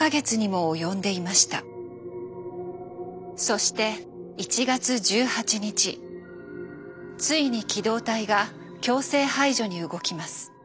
そして１月１８日ついに機動隊が強制排除に動きます。